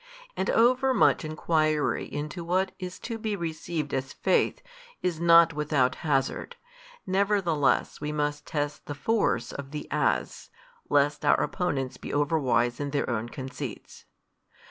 And overmuch enquiry into what is to be received as faith, is not without hazard: nevertheless we must test the force of the As, lest our opponents be overwise in their own conceits.